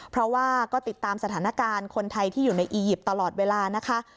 เพราะว่าก็ติดตามสถานการณ์คนไทยที่อยู่ในอียิปต์ตลอดเวลานะคะ